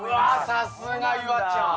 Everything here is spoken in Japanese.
さすが夕空ちゃん！